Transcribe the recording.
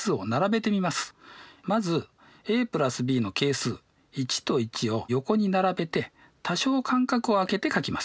まずａ＋ｂの係数１と１を横に並べて多少間隔をあけて書きます。